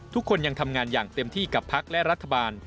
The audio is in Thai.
ทุกคนยังทำงานอย่างเต็มที่กับพักและรัฐบาล